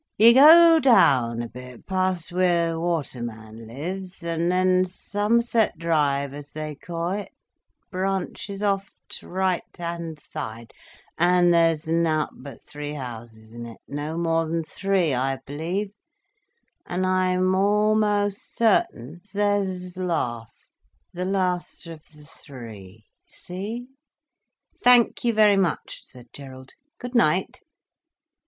You go down a bit, past wheer th' water man lives—and then Somerset Drive, as they ca' it, branches off on 't right hand side—an' there's nowt but three houses in it, no more than three, I believe,—an' I'm a'most certain as theirs is th' last—th' last o' th' three—you see—" "Thank you very much," said Gerald. "Good night."